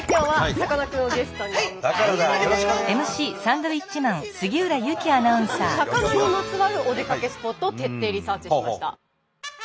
魚にまつわるお出かけスポットを徹底リサーチしました。